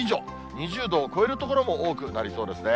２０度を超える所も多くなりそうですね。